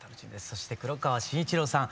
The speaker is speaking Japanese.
そして黒川真一朗さん